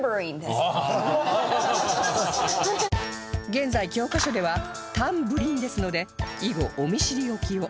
現在教科書では「タンブリン」ですので以後お見知り置きを